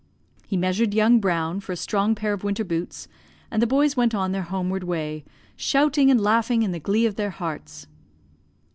"He measured young Brown for a strong pair of winter boots, and the boys went on their homeward way, shouting and laughing in the glee of their hearts.